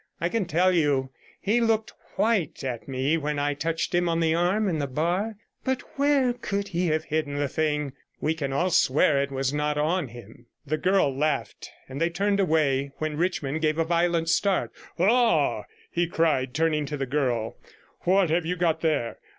I can tell you, he looked white at me when I touched him on the arm in the bar. But where could he have hidden the thing? We can all swear it was not on him.' The girl laughed, and they turned away, when Richmond gave a violent start. 'Ah!' he cried, turning to the girl, 'what have you got there?